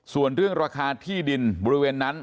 ส่วนเรื่องราคาที่ดินบริเวณนั้น